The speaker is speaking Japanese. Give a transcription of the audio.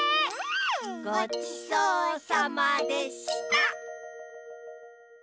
ごちそうさまでした！